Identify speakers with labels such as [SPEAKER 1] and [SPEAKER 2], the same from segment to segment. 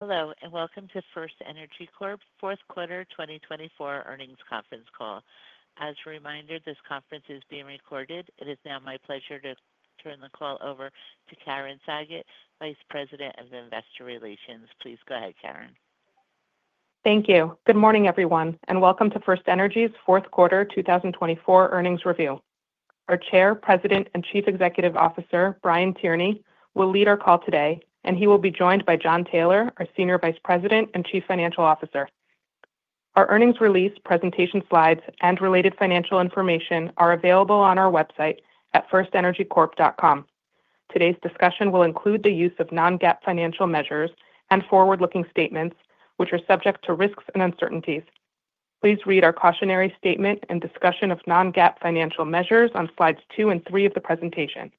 [SPEAKER 1] Hello, and welcome to FirstEnergy Corp., Fourth Quarter 2024 earnings conference call. As a reminder, this conference is being recorded. It is now my pleasure to turn the call over to Karen Saget, Vice President of Investor Relations. Please go ahead, Karen.
[SPEAKER 2] Thank you. Good morning, everyone, and welcome to FirstEnergy's Fourth Quarter 2024 earnings review. Our Chair, President, and Chief Executive Officer, Brian Tierney, will lead our call today, and he will be joined by Jon Taylor, our Senior Vice President and Chief Financial Officer. Our earnings release, presentation slides, and related financial information are available on our website at firstenergycorp.com. Today's discussion will include the use of non-GAAP financial measures and forward-looking statements, which are subject to risks and uncertainties. Please read our cautionary statement and discussion of non-GAAP financial measures on slides two and three of the presentation.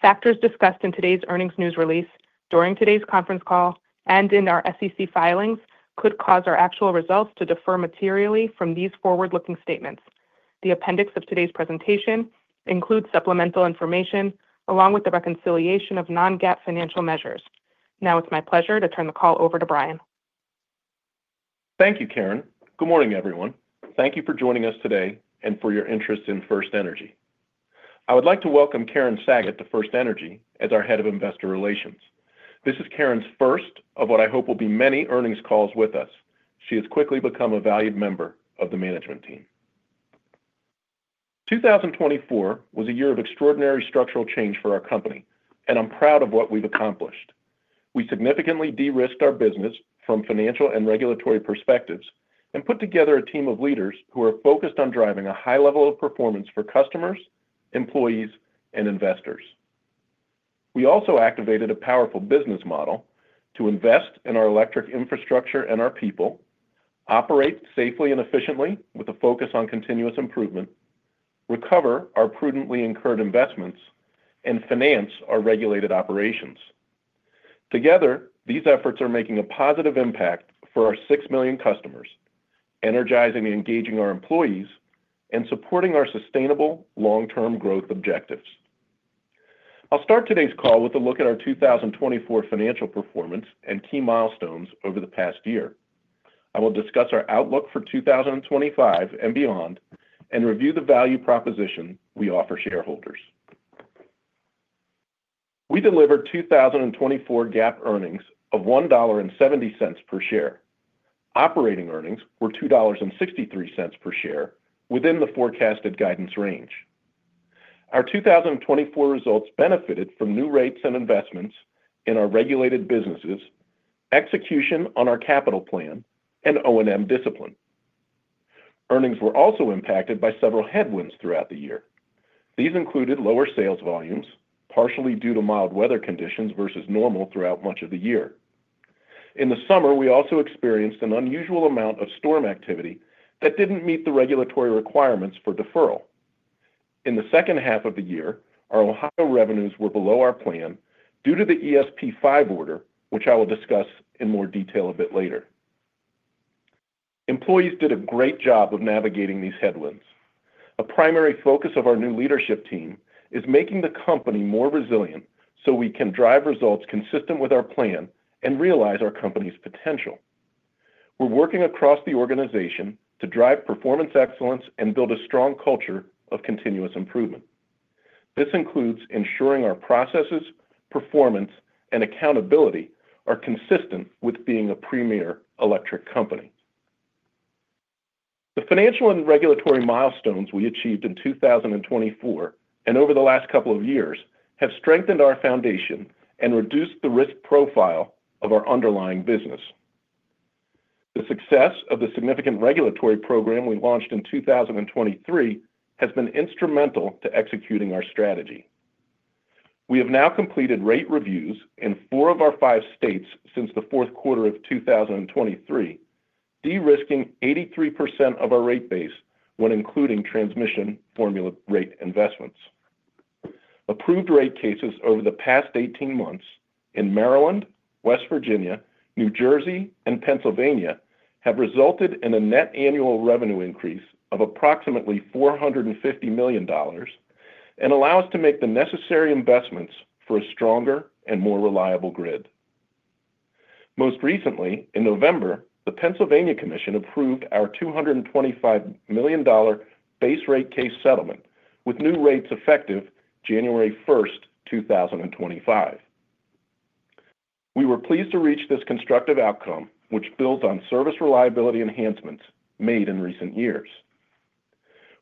[SPEAKER 2] Factors discussed in today's earnings news release, during today's conference call, and in our SEC filings could cause our actual results to differ materially from these forward-looking statements. The appendix of today's presentation includes supplemental information along with the reconciliation of non-GAAP financial measures. Now it's my pleasure to turn the call over to Brian.
[SPEAKER 3] Thank you, Karen. Good morning, everyone. Thank you for joining us today and for your interest in FirstEnergy. I would like to welcome Karen Saget to FirstEnergy as our Head of Investor Relations. This is Karen's first of what I hope will be many earnings calls with us. She has quickly become a valued member of the management team. 2024 was a year of extraordinary structural change for our company, and I'm proud of what we've accomplished. We significantly de-risked our business from financial and regulatory perspectives and put together a team of leaders who are focused on driving a high level of performance for customers, employees, and investors. We also activated a powerful business model to invest in our electric infrastructure and our people, operate safely and efficiently with a focus on continuous improvement, recover our prudently incurred investments, and finance our regulated operations. Together, these efforts are making a positive impact for our six million customers, energizing and engaging our employees, and supporting our sustainable long-term growth objectives. I'll start today's call with a look at our 2024 financial performance and key milestones over the past year. I will discuss our outlook for 2025 and beyond and review the value proposition we offer shareholders. We delivered 2024 GAAP earnings of $1.70 per share. Operating earnings were $2.63 per share within the forecasted guidance range. Our 2024 results benefited from new rates and investments in our regulated businesses, execution on our capital plan, and O&M discipline. Earnings were also impacted by several headwinds throughout the year. These included lower sales volumes, partially due to mild weather conditions versus normal throughout much of the year. In the summer, we also experienced an unusual amount of storm activity that didn't meet the regulatory requirements for deferral. In the second half of the year, our Ohio revenues were below our plan due to the ESP5 order, which I will discuss in more detail a bit later. Employees did a great job of navigating these headwinds. A primary focus of our new leadership team is making the company more resilient so we can drive results consistent with our plan and realize our company's potential. We're working across the organization to drive performance excellence and build a strong culture of continuous improvement. This includes ensuring our processes, performance, and accountability are consistent with being a premier electric company. The financial and regulatory milestones we achieved in 2024 and over the last couple of years have strengthened our foundation and reduced the risk profile of our underlying business. The success of the significant regulatory program we launched in 2023 has been instrumental to executing our strategy. We have now completed rate reviews in four of our five states since the fourth quarter of 2023, de-risking 83% of our rate base when including transmission formula rate investments. Approved rate cases over the past 18 months in Maryland, West Virginia, New Jersey, and Pennsylvania have resulted in a net annual revenue increase of approximately $450 million and allow us to make the necessary investments for a stronger and more reliable grid. Most recently, in November, the Pennsylvania Commission approved our $225 million base rate case settlement with new rates effective January 1st, 2025. We were pleased to reach this constructive outcome, which builds on service reliability enhancements made in recent years.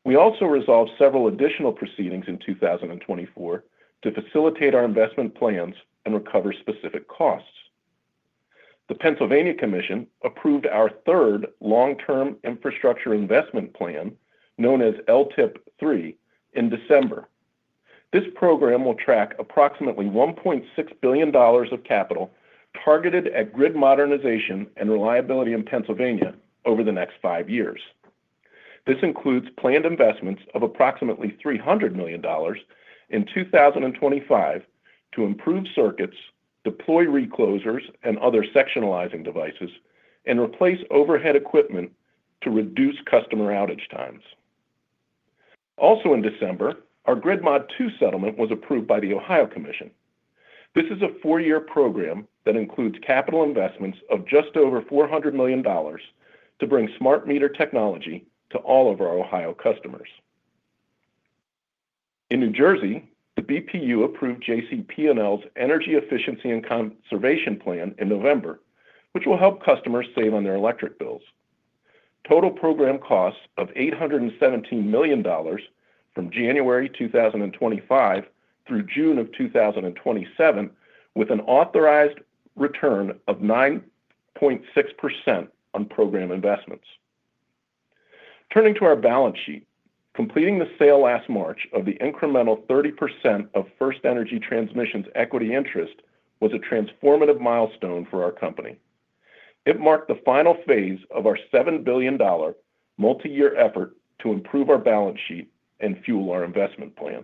[SPEAKER 3] We also resolved several additional proceedings in 2024 to facilitate our investment plans and recover specific costs. The Pennsylvania Commission approved our third long-term infrastructure investment plan, known as LTIIP III, in December. This program will track approximately $1.6 billion of capital targeted at grid modernization and reliability in Pennsylvania over the next five years. This includes planned investments of approximately $300 million in 2025 to improve circuits, deploy reclosers, and other sectionalizing devices, and replace overhead equipment to reduce customer outage times. Also in December, our GridMod II settlement was approved by the Ohio Commission. This is a four-year program that includes capital investments of just over $400 million to bring smart meter technology to all of our Ohio customers. In New Jersey, the BPU approved JCP&L's Energy Efficiency and Conservation Plan in November, which will help customers save on their electric bills. Total program costs of $817 million from January 2025 through June of 2027, with an authorized return of 9.6% on program investments. Turning to our balance sheet, completing the sale last March of the incremental 30% of FirstEnergy Transmission's equity interest was a transformative milestone for our company. It marked the final phase of our $7 billion multi-year effort to improve our balance sheet and fuel our investment plan.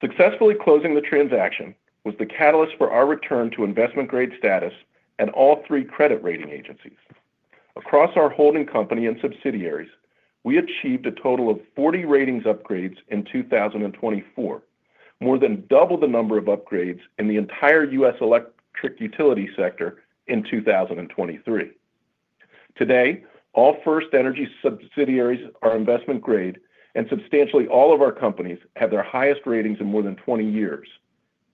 [SPEAKER 3] Successfully closing the transaction was the catalyst for our return to investment-grade status at all three credit rating agencies. Across our holding company and subsidiaries, we achieved a total of 40 ratings upgrades in 2024, more than double the number of upgrades in the entire U.S. electric utility sector in 2023. Today, all FirstEnergy subsidiaries are investment-grade, and substantially all of our companies have their highest ratings in more than 20 years,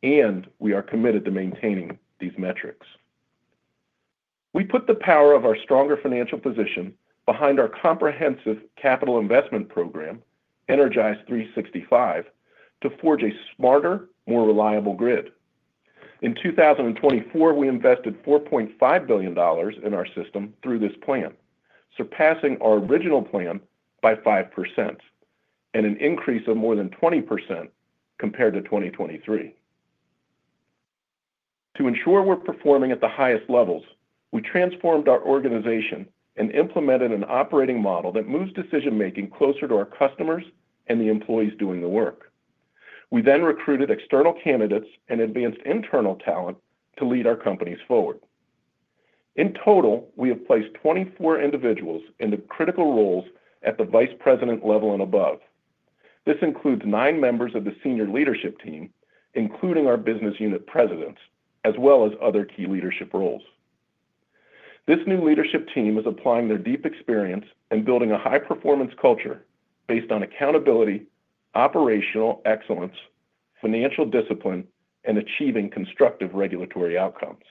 [SPEAKER 3] and we are committed to maintaining these metrics. We put the power of our stronger financial position behind our comprehensive capital investment program, Energize365, to forge a smarter, more reliable grid. In 2024, we invested $4.5 billion in our system through this plan, surpassing our original plan by 5% and an increase of more than 20% compared to 2023. To ensure we're performing at the highest levels, we transformed our organization and implemented an operating model that moves decision-making closer to our customers and the employees doing the work. We then recruited external candidates and advanced internal talent to lead our companies forward. In total, we have placed 24 individuals into critical roles at the Vice President level and above. This includes nine members of the senior leadership team, including our business unit presidents, as well as other key leadership roles. This new leadership team is applying their deep experience and building a high-performance culture based on accountability, operational excellence, financial discipline, and achieving constructive regulatory outcomes.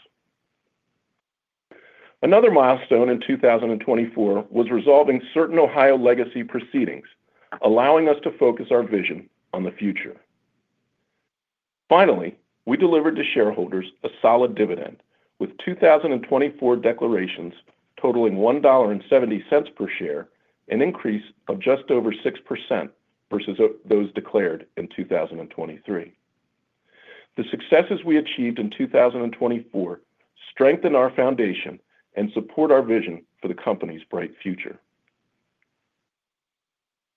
[SPEAKER 3] Another milestone in 2024 was resolving certain Ohio legacy proceedings, allowing us to focus our vision on the future. Finally, we delivered to shareholders a solid dividend with 2024 declarations totaling $1.70 per share, an increase of just over 6% versus those declared in 2023. The successes we achieved in 2024 strengthen our foundation and support our vision for the company's bright future.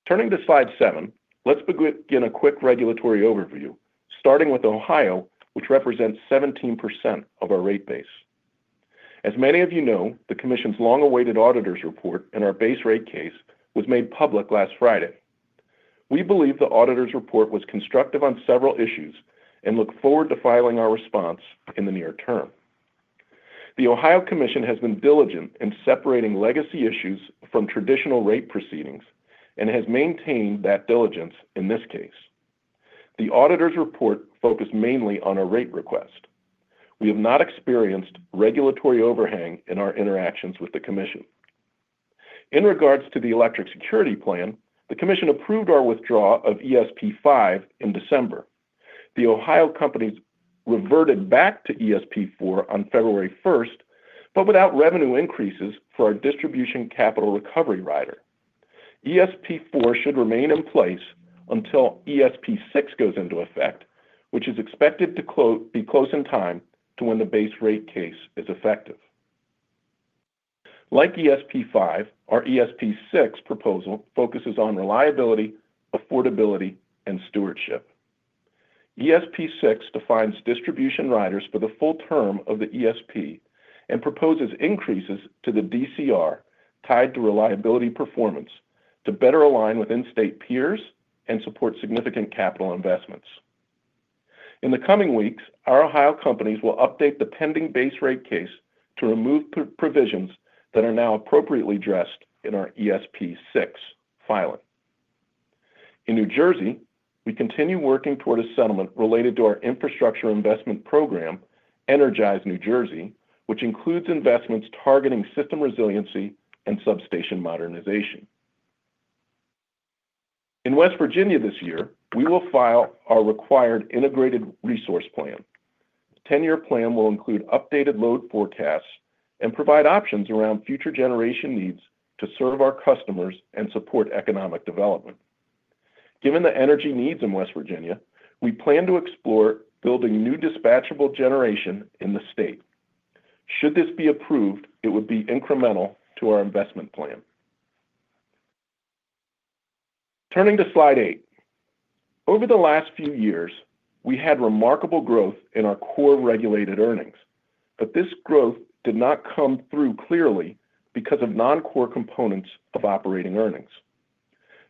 [SPEAKER 3] Turning to slide seven, let's begin a quick regulatory overview, starting with Ohio, which represents 17% of our rate base. As many of you know, the Commission's long-awaited auditor's report and our base rate case was made public last Friday. We believe the auditor's report was constructive on several issues and look forward to filing our response in the near term. The Ohio Commission has been diligent in separating legacy issues from traditional rate proceedings and has maintained that diligence in this case. The auditor's report focused mainly on a rate request. We have not experienced regulatory overhang in our interactions with the Commission. In regards to the electric security plan, the Commission approved our withdrawal of ESP5 in December. The Ohio companies reverted back to ESP4 on February 1st, but without revenue increases for our distribution capital recovery rider. ESP4 should remain in place until ESP6 goes into effect, which is expected to be close in time to when the base rate case is effective. Like ESP5, our ESP6 proposal focuses on reliability, affordability, and stewardship. ESP6 defines distribution riders for the full term of the ESP and proposes increases to the DCR tied to reliability performance to better align with in-state peers and support significant capital investments. In the coming weeks, our Ohio companies will update the pending base rate case to remove provisions that are now appropriately addressed in our ESP6 filing. In New Jersey, we continue working toward a settlement related to our infrastructure investment program, Energize New Jersey, which includes investments targeting system resiliency and substation modernization. In West Virginia this year, we will file our required integrated resource plan. The 10-year plan will include updated load forecasts and provide options around future generation needs to serve our customers and support economic development. Given the energy needs in West Virginia, we plan to explore building new dispatchable generation in the state. Should this be approved, it would be incremental to our investment plan. Turning to slide eight, over the last few years, we had remarkable growth in our core regulated earnings, but this growth did not come through clearly because of non-core components of operating earnings.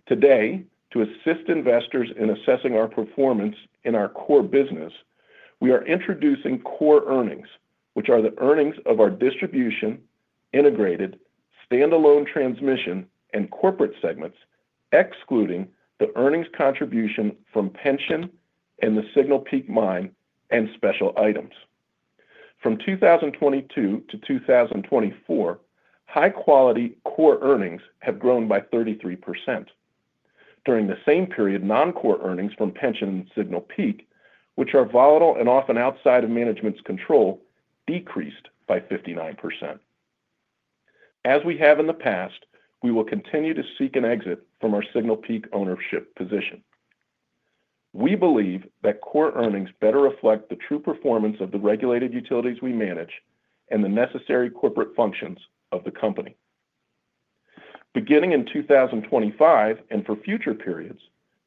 [SPEAKER 3] Today, to assist investors in assessing our performance in our core business, we are introducing core earnings, which are the earnings of our distribution, integrated, standalone transmission, and corporate segments, excluding the earnings contribution from pension and the Signal Peak mine and special items. From 2022 to 2024, high-quality core earnings have grown by 33%. During the same period, non-core earnings from pension and Signal Peak, which are volatile and often outside of management's control, decreased by 59%. As we have in the past, we will continue to seek an exit from our Signal Peak ownership position. We believe that core earnings better reflect the true performance of the regulated utilities we manage and the necessary corporate functions of the company. Beginning in 2025 and for future periods,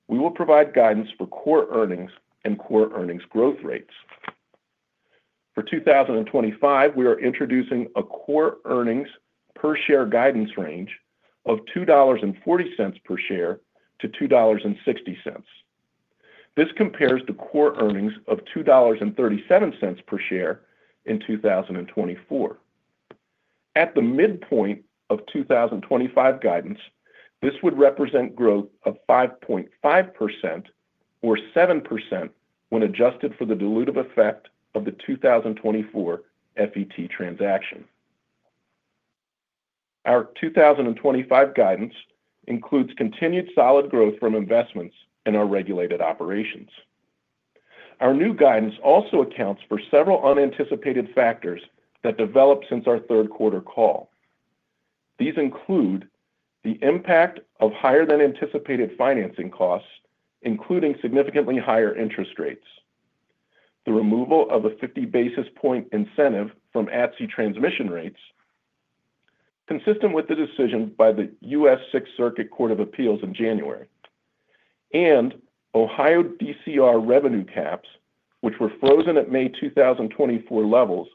[SPEAKER 3] we will provide guidance for core earnings and core earnings growth rates. For 2025, we are introducing a core earnings per share guidance range of $2.40-$2.60 per share. This compares to core earnings of $2.37 per share in 2024. At the midpoint of 2025 guidance, this would represent growth of 5.5% or 7% when adjusted for the dilutive effect of the 2024 FET transaction. Our 2025 guidance includes continued solid growth from investments in our regulated operations. Our new guidance also accounts for several unanticipated factors that developed since our third quarter call. These include the impact of higher-than-anticipated financing costs, including significantly higher interest rates, the removal of a 50 basis point incentive from ATSI transmission rates, consistent with the decision by the U.S. Court of Appeals for the Sixth Circuit in January, and Ohio DCR revenue caps, which were frozen at May 2024 levels,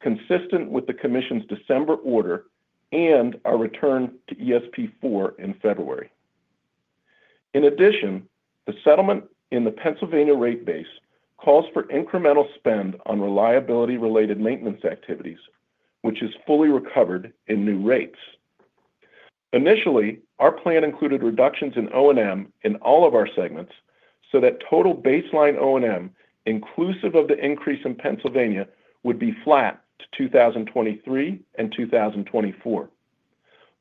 [SPEAKER 3] consistent with the Commission's December order and our return to ESP4 in February. In addition, the settlement in the Pennsylvania rate base calls for incremental spend on reliability-related maintenance activities, which is fully recovered in new rates. Initially, our plan included reductions in O&M in all of our segments so that total baseline O&M, inclusive of the increase in Pennsylvania, would be flat to 2023 and 2024.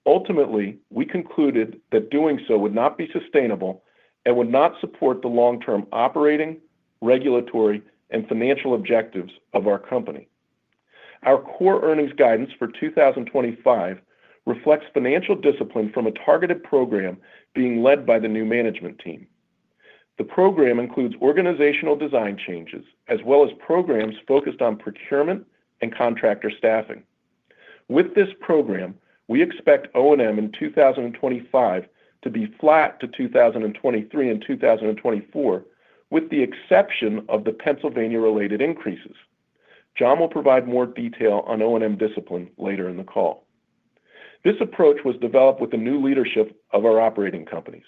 [SPEAKER 3] Ultimately, we concluded that doing so would not be sustainable and would not support the long-term operating, regulatory, and financial objectives of our company. Our core earnings guidance for 2025 reflects financial discipline from a targeted program being led by the new management team. The program includes organizational design changes as well as programs focused on procurement and contractor staffing. With this program, we expect O&M in 2025 to be flat to 2023 and 2024, with the exception of the Pennsylvania-related increases. Jon will provide more detail on O&M discipline later in the call. This approach was developed with the new leadership of our operating companies.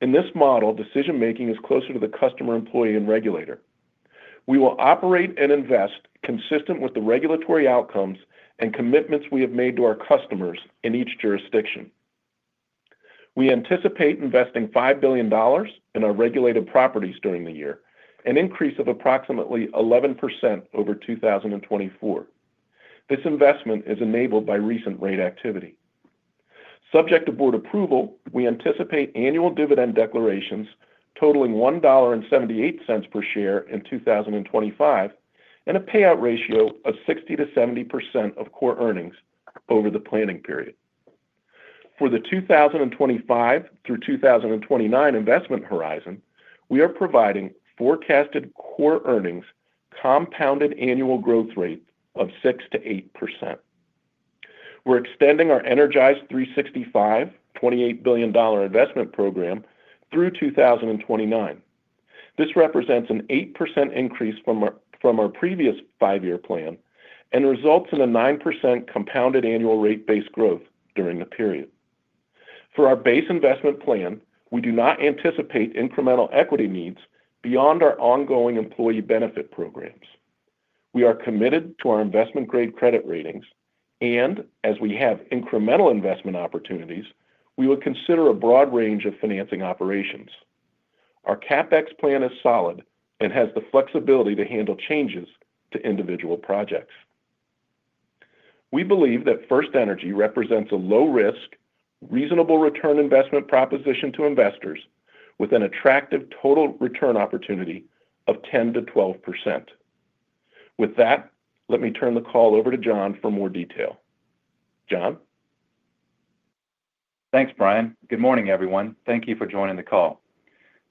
[SPEAKER 3] In this model, decision-making is closer to the customer, employee, and regulator. We will operate and invest consistent with the regulatory outcomes and commitments we have made to our customers in each jurisdiction. We anticipate investing $5 billion in our regulated properties during the year, an increase of approximately 11% over 2024. This investment is enabled by recent rate activity. Subject to board approval, we anticipate annual dividend declarations totaling $1.78 per share in 2025 and a payout ratio of 60%-70% of core earnings over the planning period. For the 2025 through 2029 investment horizon, we are providing forecasted core earnings compounded annual growth rate of 6%-8%. We're extending our Energize 365 $28 billion investment program through 2029. This represents an 8% increase from our previous five-year plan and results in a 9% compounded annual rate-based growth during the period. For our base investment plan, we do not anticipate incremental equity needs beyond our ongoing employee benefit programs. We are committed to our investment-grade credit ratings, and as we have incremental investment opportunities, we will consider a broad range of financing operations. Our CapEx plan is solid and has the flexibility to handle changes to individual projects. We believe that FirstEnergy represents a low-risk, reasonable return investment proposition to investors with an attractive total return opportunity of 10%-12%. With that, let me turn the call over to Jon for more detail. Jon?
[SPEAKER 4] Thanks, Brian. Good morning, everyone. Thank you for joining the call.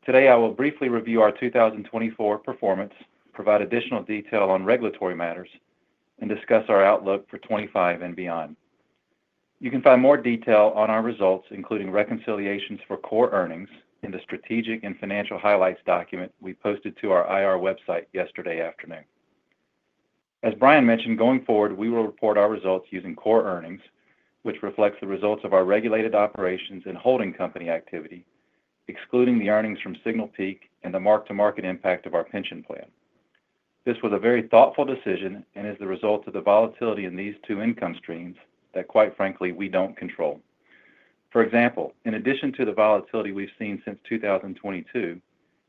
[SPEAKER 4] Today, I will briefly review our 2024 performance, provide additional detail on regulatory matters, and discuss our outlook for 2025 and beyond. You can find more detail on our results, including reconciliations for core earnings in the strategic and financial highlights document we posted to our IR website yesterday afternoon. As Brian mentioned, going forward, we will report our results using core earnings, which reflects the results of our regulated operations and holding company activity, excluding the earnings from Signal Peak and the mark-to-market impact of our pension plan. This was a very thoughtful decision and is the result of the volatility in these two income streams that, quite frankly, we don't control. For example, in addition to the volatility we've seen since 2022,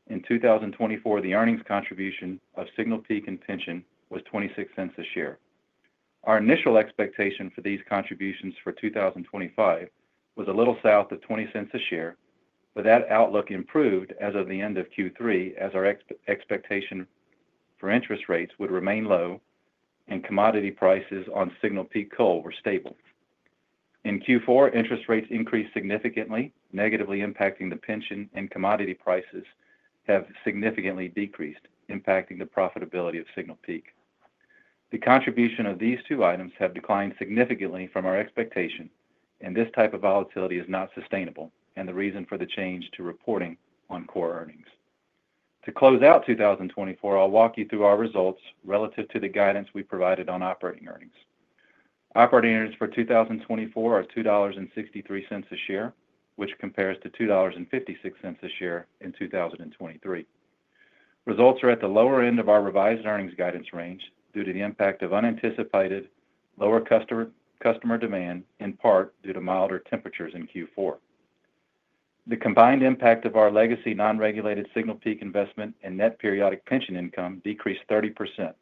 [SPEAKER 4] in 2024, the earnings contribution of Signal Peak and pension was $0.26 a share. Our initial expectation for these contributions for 2025 was a little south of $0.20 a share, but that outlook improved as of the end of Q3 as our expectation for interest rates would remain low and commodity prices on Signal Peak coal were stable. In Q4, interest rates increased significantly, negatively impacting the pension and commodity prices have significantly decreased, impacting the profitability of Signal Peak. The contribution of these two items have declined significantly from our expectation, and this type of volatility is not sustainable and the reason for the change to reporting on Core Earnings. To close out 2024, I'll walk you through our results relative to the guidance we provided on operating earnings. Operating earnings for 2024 are $2.63 a share, which compares to $2.56 a share in 2023. Results are at the lower end of our revised earnings guidance range due to the impact of unanticipated lower customer demand, in part due to milder temperatures in Q4. The combined impact of our legacy non-regulated Signal Peak investment and net periodic pension income decreased 30%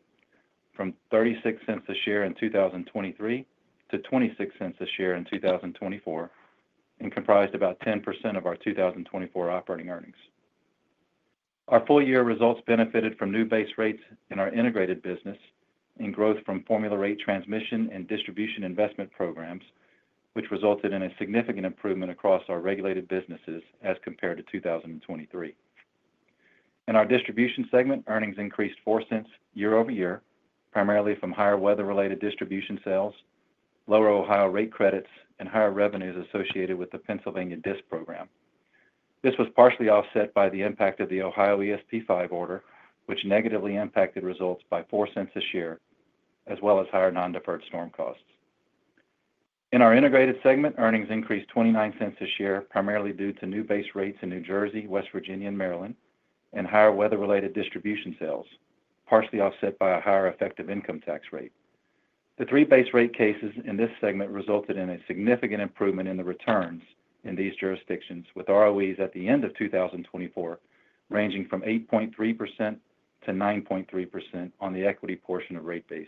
[SPEAKER 4] from $0.36 a share in 2023 to $0.26 a share in 2024 and comprised about 10% of our 2024 operating earnings. Our full-year results benefited from new base rates in our integrated business and growth from formula rate transmission and distribution investment programs, which resulted in a significant improvement across our regulated businesses as compared to 2023. In our distribution segment, earnings increased $0.04 year over year, primarily from higher weather-related distribution sales, lower Ohio rate credits, and higher revenues associated with the Pennsylvania DSP program. This was partially offset by the impact of the Ohio ESP5 order, which negatively impacted results by $0.04 a share, as well as higher non-deferred storm costs. In our integrated segment, earnings increased $0.29 a share, primarily due to new base rates in New Jersey, West Virginia, and Maryland, and higher weather-related distribution sales, partially offset by a higher effective income tax rate. The three base rate cases in this segment resulted in a significant improvement in the returns in these jurisdictions, with ROEs at the end of 2024 ranging from 8.3%-9.3% on the equity portion of rate base.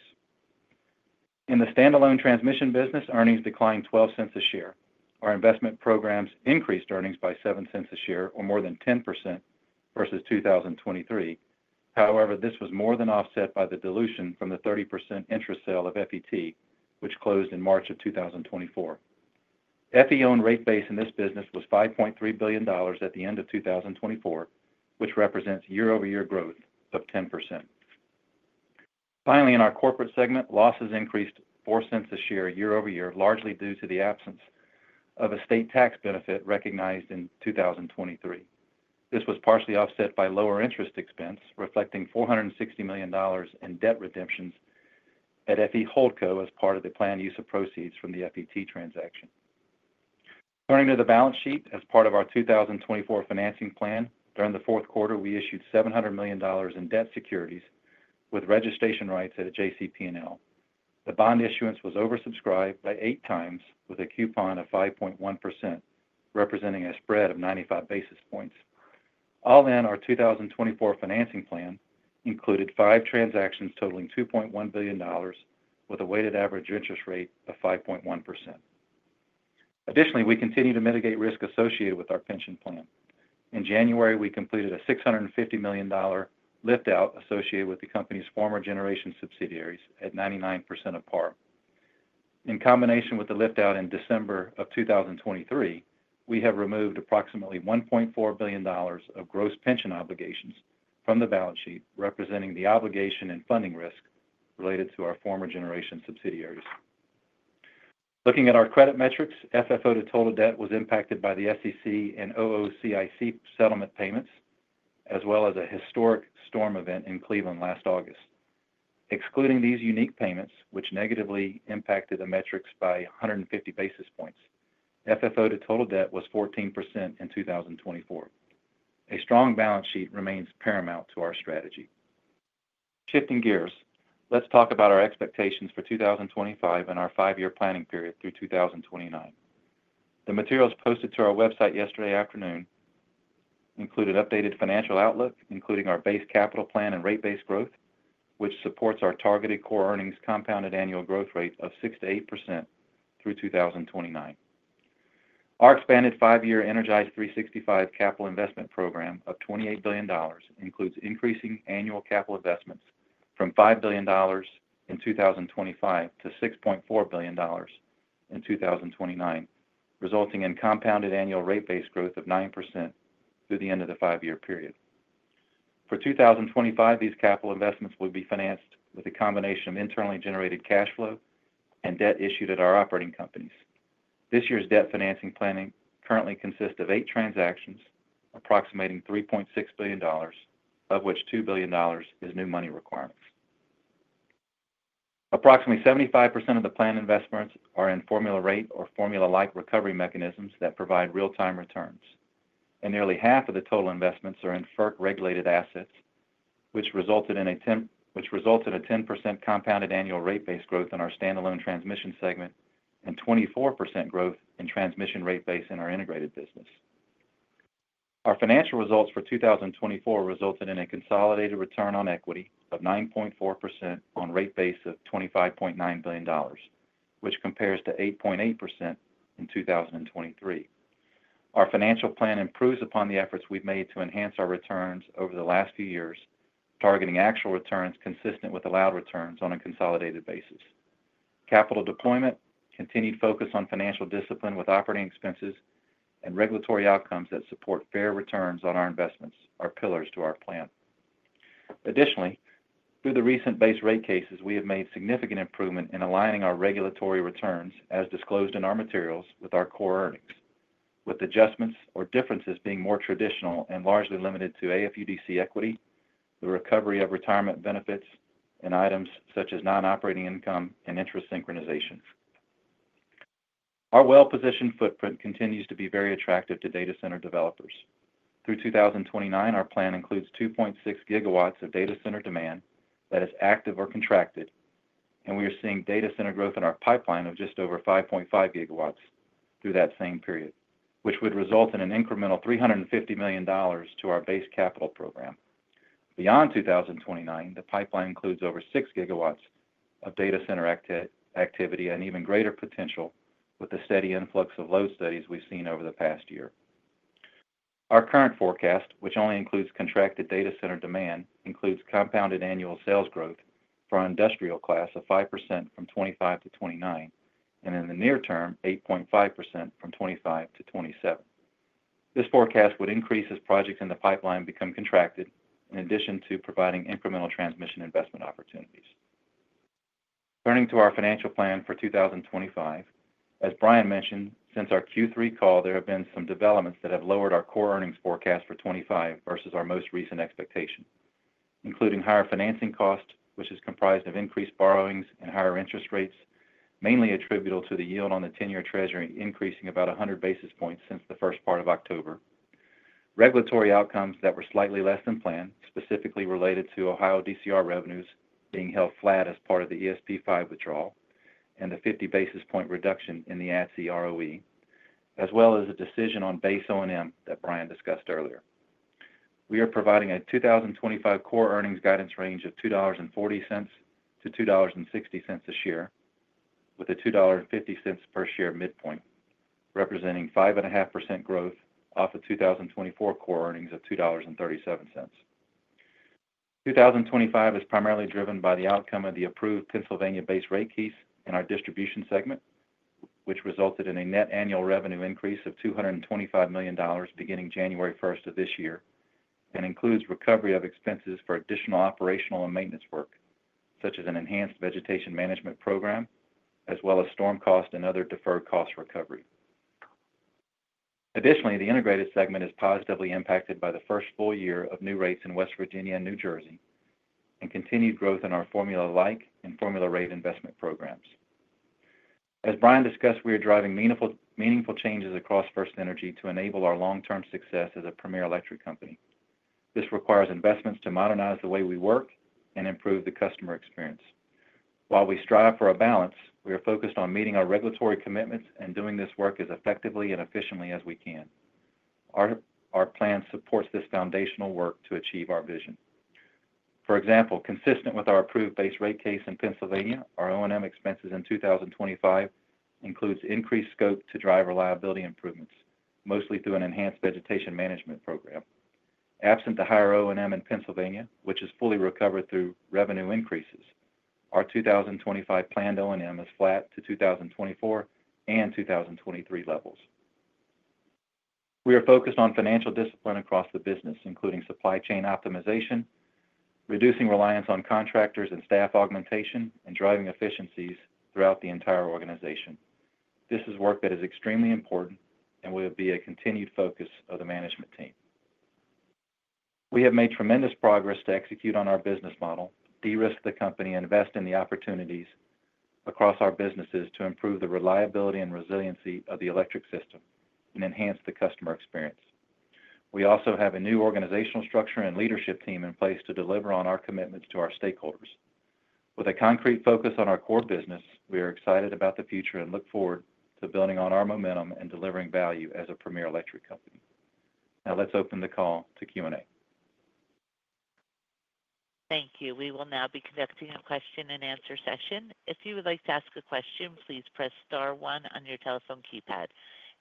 [SPEAKER 4] In the standalone transmission business, earnings declined $0.12 a share. Our investment programs increased earnings by $0.07 a share, or more than 10% versus 2023. However, this was more than offset by the dilution from the 30% interest sale of FET, which closed in March of 2024. FET's rate base in this business was $5.3 billion at the end of 2024, which represents year-over-year growth of 10%. Finally, in our corporate segment, losses increased $0.04 a share year over year, largely due to the absence of a state tax benefit recognized in 2023. This was partially offset by lower interest expense, reflecting $460 million in debt redemptions at FE Holdco as part of the planned use of proceeds from the FET transaction. Turning to the balance sheet, as part of our 2024 financing plan, during the fourth quarter, we issued $700 million in debt securities with registration rights at JCPNL. The bond issuance was oversubscribed by eight times, with a coupon of 5.1%, representing a spread of 95 basis points. All in our 2024 financing plan included five transactions totaling $2.1 billion, with a weighted average interest rate of 5.1%. Additionally, we continue to mitigate risk associated with our pension plan. In January, we completed a $650 million liftout associated with the company's former generation subsidiaries at 99% of par. In combination with the liftout in December of 2023, we have removed approximately $1.4 billion of gross pension obligations from the balance sheet, representing the obligation and funding risk related to our former generation subsidiaries. Looking at our credit metrics, FFO to total debt was impacted by the SEC and OOCIC settlement payments, as well as a historic storm event in Cleveland last August. Excluding these unique payments, which negatively impacted the metrics by 150 basis points, FFO to total debt was 14% in 2024. A strong balance sheet remains paramount to our strategy. Shifting gears, let's talk about our expectations for 2025 and our five-year planning period through 2029. The materials posted to our website yesterday afternoon included updated financial outlook, including our base capital plan and rate-based growth, which supports our targeted core earnings compounded annual growth rate of 6 to 8% through 2029. Our expanded five-year Energize 365 capital investment program of $28 billion includes increasing annual capital investments from $5 billion in 2025 to $6.4 billion in 2029, resulting in compounded annual rate-based growth of 9% through the end of the five-year period. For 2025, these capital investments will be financed with a combination of internally generated cash flow and debt issued at our operating companies. This year's debt financing planning currently consists of eight transactions, approximating $3.6 billion, of which $2 billion is new money requirements. Approximately 75% of the planned investments are in formula rate or formula-like recovery mechanisms that provide real-time returns, and nearly half of the total investments are in FERC-regulated assets, which resulted in a 10% compounded annual rate-based growth in our standalone transmission segment and 24% growth in transmission rate base in our integrated business. Our financial results for 2024 resulted in a consolidated return on equity of 9.4% on rate base of $25.9 billion, which compares to 8.8% in 2023. Our financial plan improves upon the efforts we've made to enhance our returns over the last few years, targeting actual returns consistent with allowed returns on a consolidated basis. Capital deployment, continued focus on financial discipline with operating expenses, and regulatory outcomes that support fair returns on our investments are pillars to our plan. Additionally, through the recent base rate cases, we have made significant improvement in aligning our regulatory returns, as disclosed in our materials, with our core earnings, with adjustments or differences being more traditional and largely limited to AFUDC equity, the recovery of retirement benefits, and items such as non-operating income and interest synchronization. Our well-positioned footprint continues to be very attractive to data center developers. Through 2029, our plan includes 2.6 gigawatts of data center demand that is active or contracted, and we are seeing data center growth in our pipeline of just over 5.5 gigawatts through that same period, which would result in an incremental $350 million to our base capital program. Beyond 2029, the pipeline includes over six gigawatts of data center activity and even greater potential with the steady influx of load studies we've seen over the past year. Our current forecast, which only includes contracted data center demand, includes compounded annual sales growth for our industrial class of 5% from 2025 to 2029, and in the near term, 8.5% from 2025 to 2027. This forecast would increase as projects in the pipeline become contracted, in addition to providing incremental transmission investment opportunities. Turning to our financial plan for 2025, as Brian mentioned, since our Q3 call, there have been some developments that have lowered our core earnings forecast for 2025 versus our most recent expectation, including higher financing costs, which is comprised of increased borrowings and higher interest rates, mainly attributable to the yield on the 10-year treasury increasing about 100 basis points since the first part of October. Regulatory outcomes that were slightly less than planned, specifically related to Ohio DCR revenues being held flat as part of the ESP5 withdrawal and the 50 basis points reduction in the ATSI ROE, as well as a decision on base O&M that Brian discussed earlier. We are providing a 2025 core earnings guidance range of $2.40-$2.60 a share, with a $2.50 per share midpoint representing 5.5% growth off of 2024 core earnings of $2.37. 2025 is primarily driven by the outcome of the approved Pennsylvania base rate case in our distribution segment, which resulted in a net annual revenue increase of $225 million beginning January 1st of this year and includes recovery of expenses for additional operational and maintenance work, such as an enhanced vegetation management program, as well as storm cost and other deferred cost recovery. Additionally, the integrated segment is positively impacted by the first full year of new rates in West Virginia and New Jersey and continued growth in our formula-like and formula rate investment programs. As Brian discussed, we are driving meaningful changes across FirstEnergy to enable our long-term success as a premier electric company. This requires investments to modernize the way we work and improve the customer experience. While we strive for a balance, we are focused on meeting our regulatory commitments and doing this work as effectively and efficiently as we can. Our plan supports this foundational work to achieve our vision. For example, consistent with our approved base rate case in Pennsylvania, our O&M expenses in 2025 include increased scope to drive reliability improvements, mostly through an enhanced vegetation management program. Absent the higher O&M in Pennsylvania, which is fully recovered through revenue increases, our 2025 planned O&M is flat to 2024 and 2023 levels. We are focused on financial discipline across the business, including supply chain optimization, reducing reliance on contractors and staff augmentation, and driving efficiencies throughout the entire organization. This is work that is extremely important and will be a continued focus of the management team. We have made tremendous progress to execute on our business model, de-risk the company, and invest in the opportunities across our businesses to improve the reliability and resiliency of the electric system and enhance the customer experience. We also have a new organizational structure and leadership team in place to deliver on our commitments to our stakeholders. With a concrete focus on our core business, we are excited about the future and look forward to building on our momentum and delivering value as a premier electric company. Now, let's open the call to Q&A.
[SPEAKER 1] Thank you. We will now be conducting a question-and-answer session. If you would like to ask a question, please press Star 1 on your telephone keypad.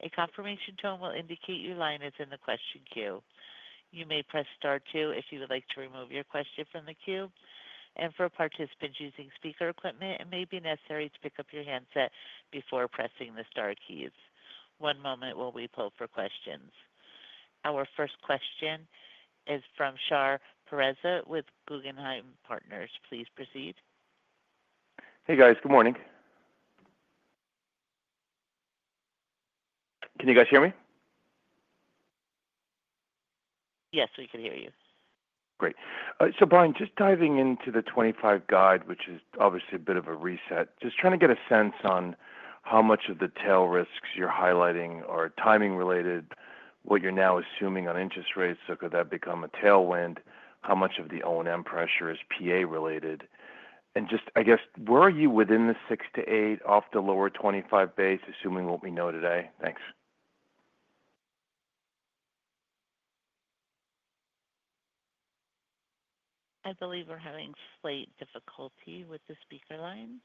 [SPEAKER 1] A confirmation tone will indicate your line is in the question queue. You may press Star 2 if you would like to remove your question from the queue. And for participants using speaker equipment, it may be necessary to pick up your handset before pressing the Star keys. One moment while we pull for questions. Our first question is from Shar Pourreza with Guggenheim Partners. Please proceed.
[SPEAKER 5] Hey, guys. Good morning. Can you guys hear me?
[SPEAKER 1] Yes, we can hear you.
[SPEAKER 5] Great. So, Brian, just diving into the 2025 guide, which is obviously a bit of a reset, just trying to get a sense on how much of the tail risks you're highlighting are timing-related, what you're now assuming on interest rates, so could that become a tailwind, how much of the O&M pressure is PA-related, and just, I guess, where are you within the 6-8 off the lower 2025 base, assuming what we know today? Thanks.
[SPEAKER 1] I believe we're having slight difficulty with the speaker line.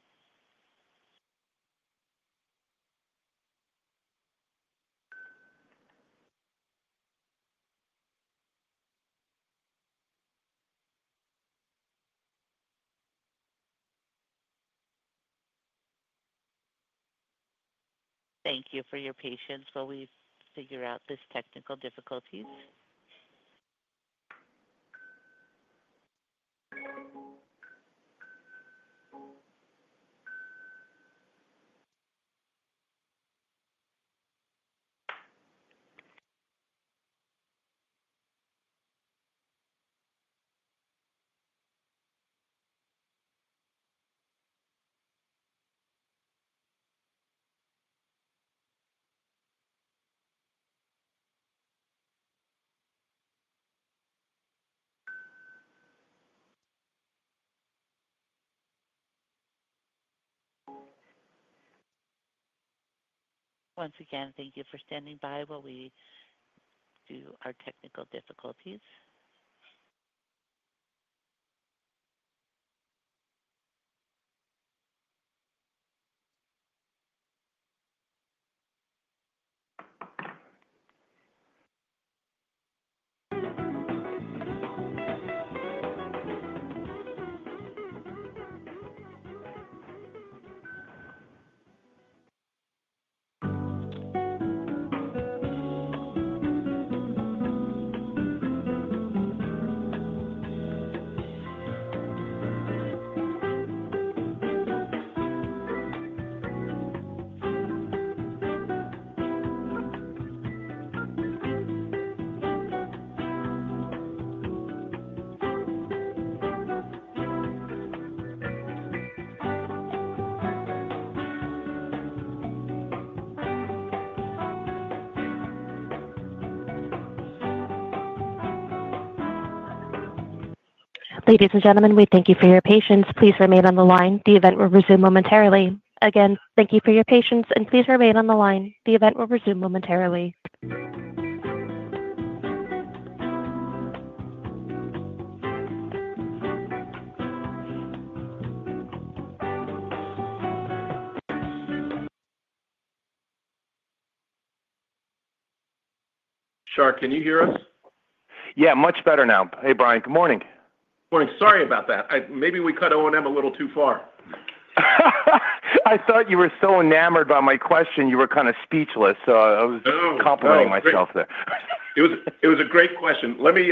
[SPEAKER 1] Thank you for your patience while we figure out this technical difficulties. Once again, thank you for standing by while we do our technical difficulties. Ladies and gentlemen, we thank you for your patience. Please remain on the line. The event will resume momentarily. Again, thank you for your patience, and please remain on the line. The event will resume momentarily.
[SPEAKER 3] Shar, can you hear us?
[SPEAKER 5] Yeah, much better now. Hey, Brian. Good morning.
[SPEAKER 3] Morning. Sorry about that. Maybe we cut O&M a little too far.
[SPEAKER 5] I thought you were so enamored by my question, you were kind of speechless. I was complimenting myself there.
[SPEAKER 3] It was a great question. Let me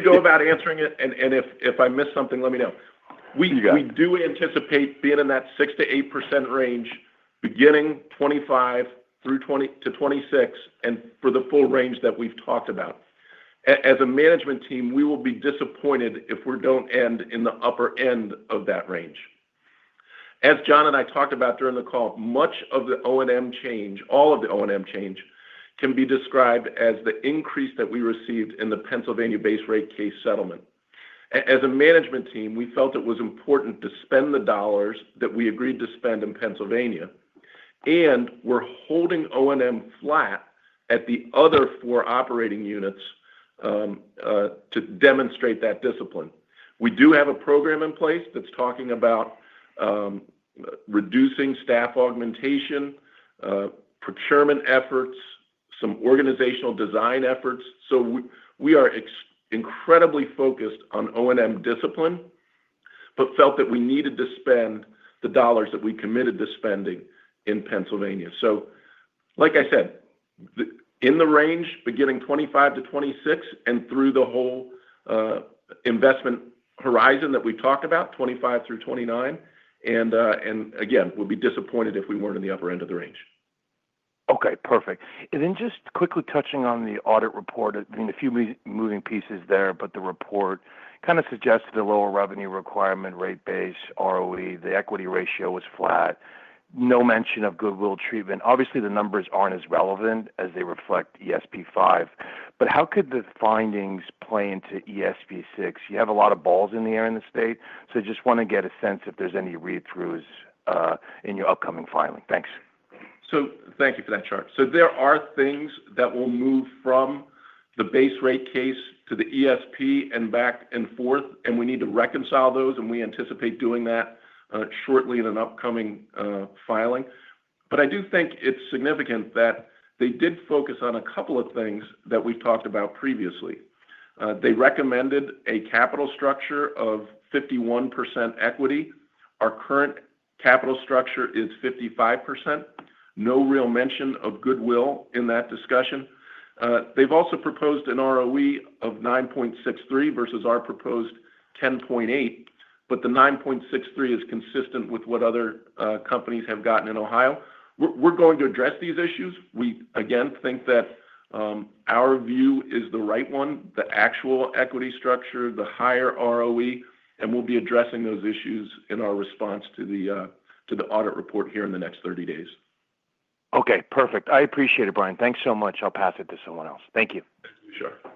[SPEAKER 3] go about answering it, and if I miss something, let me know. We do anticipate being in that 6%-8% range beginning 2025 through 2026 and for the full range that we've talked about. As a management team, we will be disappointed if we don't end in the upper end of that range. As Jon and I talked about during the call, much of the O&M change, all of the O&M change, can be described as the increase that we received in the Pennsylvania Base Rate Case settlement. As a management team, we felt it was important to spend the dollars that we agreed to spend in Pennsylvania, and we're holding O&M flat at the other four operating units to demonstrate that discipline. We do have a program in place that's talking about reducing staff augmentation, procurement efforts, some organizational design efforts. So we are incredibly focused on O&M discipline but felt that we needed to spend the dollars that we committed to spending in Pennsylvania. So, like I said, in the range beginning 2025 to 2026 and through the whole investment horizon that we talked about, 2025 through 2029, and again, we'd be disappointed if we weren't in the upper end of the range.
[SPEAKER 5] Okay. Perfect. And then just quickly touching on the audit report, I mean, a few moving pieces there, but the report kind of suggested a lower revenue requirement, rate base, ROE. The equity ratio was flat. No mention of goodwill treatment. Obviously, the numbers aren't as relevant as they reflect ESP5, but how could the findings play into ESP6? You have a lot of balls in the air in the state, so I just want to get a sense if there's any read-throughs in your upcoming filing. Thanks.
[SPEAKER 3] So thank you for that, Shar. So there are things that will move from the base rate case to the ESP and back and forth, and we need to reconcile those, and we anticipate doing that shortly in an upcoming filing. But I do think it's significant that they did focus on a couple of things that we've talked about previously. They recommended a capital structure of 51% equity. Our current capital structure is 55%. No real mention of goodwill in that discussion. They've also proposed an ROE of 9.63% versus our proposed 10.8%, but the 9.63% is consistent with what other companies have gotten in Ohio. We're going to address these issues. We, again, think that our view is the right one, the actual equity structure, the higher ROE, and we'll be addressing those issues in our response to the audit report here in the next 30 days.
[SPEAKER 5] Okay. Perfect. I appreciate it, Brian. Thanks so much. I'll pass it to someone else. Thank you.
[SPEAKER 3] Thank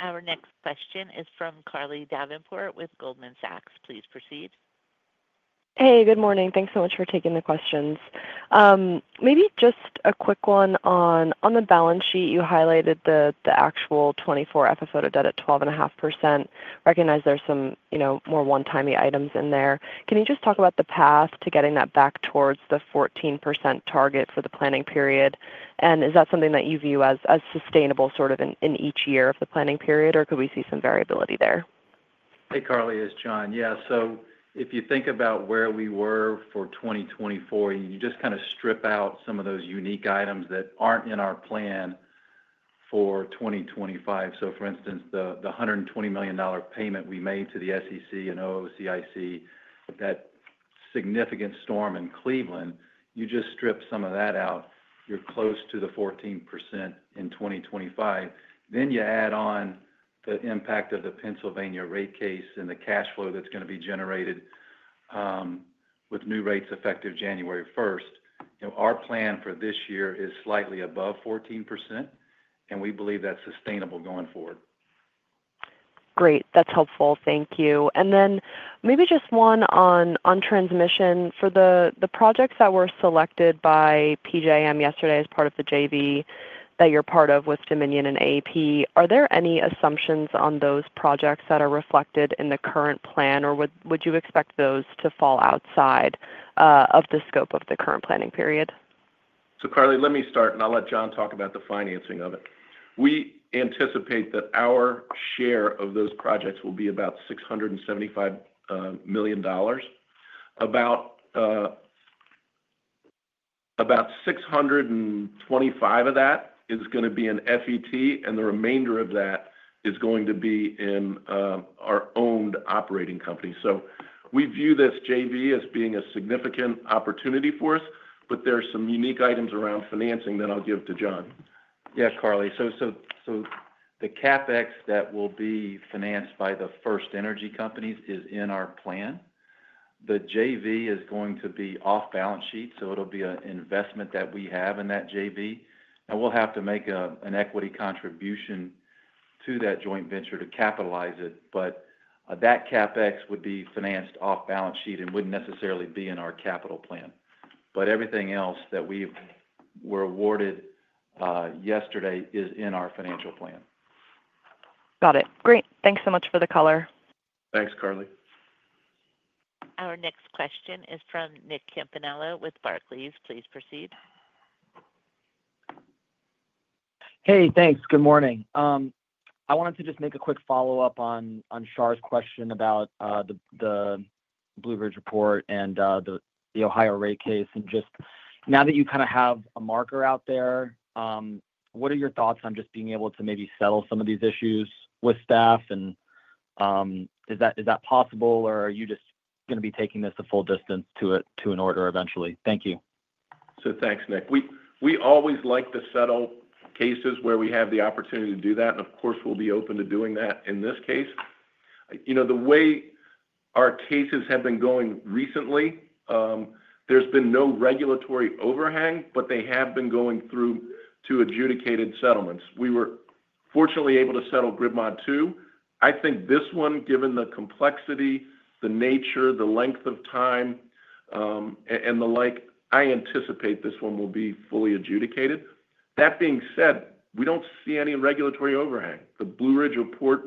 [SPEAKER 3] you, Shar.
[SPEAKER 1] Our next question is from Carly Davenport with Goldman Sachs. Please proceed.
[SPEAKER 6] Hey, good morning. Thanks so much for taking the questions. Maybe just a quick one on the balance sheet. You highlighted the actual 2024 FFO to debt at 12.5%. Recognize there's some more one-timey items in there. Can you just talk about the path to getting that back towards the 14% target for the planning period? And is that something that you view as sustainable sort of in each year of the planning period, or could we see some variability there?
[SPEAKER 4] Hey, Carly, it's Jon. Yeah. So if you think about where we were for 2024, you just kind of strip out some of those unique items that aren't in our plan for 2025. So, for instance, the $120 million payment we made to the SEC and OOCIC, that significant storm in Cleveland, you just strip some of that out. You're close to the 14% in 2025. Then you add on the impact of the Pennsylvania rate case and the cash flow that's going to be generated with new rates effective January 1st. Our plan for this year is slightly above 14%, and we believe that's sustainable going forward.
[SPEAKER 6] Great. That's helpful. Thank you. And then maybe just one on transmission. For the projects that were selected by PJM yesterday as part of the JV that you're part of with Dominion and AP, are there any assumptions on those projects that are reflected in the current plan, or would you expect those to fall outside of the scope of the current planning period?
[SPEAKER 3] So, Carly, let me start, and I'll let Jon talk about the financing of it. We anticipate that our share of those projects will be about $675 million. About $625 million of that is going to be in FET, and the remainder of that is going to be in our owned operating company. So we view this JV as being a significant opportunity for us, but there are some unique items around financing that I'll give to Jon.
[SPEAKER 4] Yeah, Carly. So the CapEx that will be financed by the FirstEnergy companies is in our plan. The JV is going to be off-balance sheet, so it'll be an investment that we have in that JV. Now, we'll have to make an equity contribution to that joint venture to capitalize it, but that CapEx would be financed off-balance sheet and wouldn't necessarily be in our capital plan. But everything else that we were awarded yesterday is in our financial plan.
[SPEAKER 6] Got it. Great. Thanks so much for the color.
[SPEAKER 3] Thanks, Carly.
[SPEAKER 1] Our next question is from Nick Campanella with Barclays. Please proceed.
[SPEAKER 7] Hey, thanks. Good morning. I wanted to just make a quick follow-up on Shar's question about the Blue Ridge Report and the Ohio rate case. And just now that you kind of have a marker out there, what are your thoughts on just being able to maybe settle some of these issues with staff? And is that possible, or are you just going to be taking this the full distance to an order eventually? Thank you.
[SPEAKER 3] So thanks, Nick. We always like to settle cases where we have the opportunity to do that, and of course, we'll be open to doing that in this case. The way our cases have been going recently, there's been no regulatory overhang, but they have been going through to adjudicated settlements. We were fortunately able to settle GridMod II. I think this one, given the complexity, the nature, the length of time, and the like, I anticipate this one will be fully adjudicated. That being said, we don't see any regulatory overhang. The Blue Ridge Report,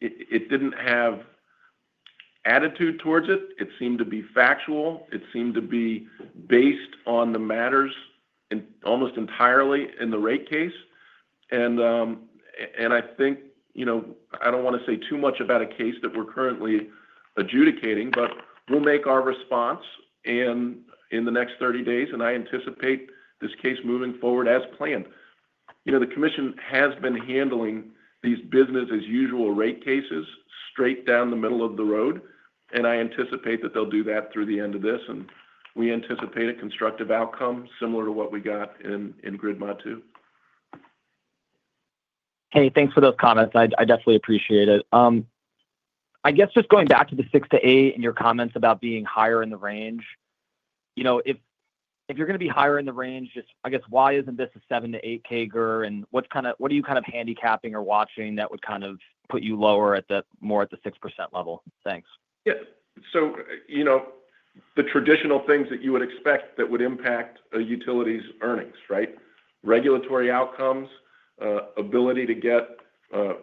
[SPEAKER 3] it didn't have attitude towards it. It seemed to be factual. It seemed to be based on the matters almost entirely in the rate case, and I think I don't want to say too much about a case that we're currently adjudicating, but we'll make our response in the next 30 days, and I anticipate this case moving forward as planned. The commission has been handling these business-as-usual rate cases straight down the middle of the road, and I anticipate that they'll do that through the end of this, and we anticipate a constructive outcome similar to what we got in GridMod II.
[SPEAKER 7] Hey, thanks for those comments. I definitely appreciate it. I guess just going back to the 6%-8% and your comments about being higher in the range, if you're going to be higher in the range, just, I guess, why isn't this a 7%-8% CAGR, and what are you kind of handicapping or watching that would kind of put you lower more at the 6% level? Thanks.
[SPEAKER 3] Yeah. So the traditional things that you would expect that would impact utilities' earnings, right? Regulatory outcomes, ability to get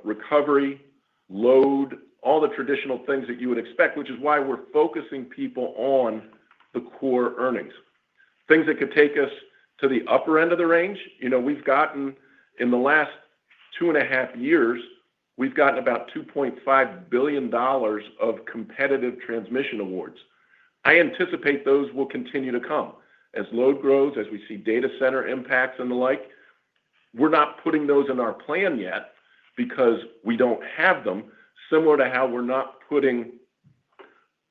[SPEAKER 3] recovery, load, all the traditional things that you would expect, which is why we're focusing people on the core earnings. Things that could take us to the upper end of the range. In the last two and a half years, we've gotten about $2.5 billion of competitive transmission awards. I anticipate those will continue to come. As load grows, as we see data center impacts and the like, we're not putting those in our plan yet because we don't have them, similar to how we're not putting